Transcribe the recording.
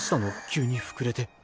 急に膨れて。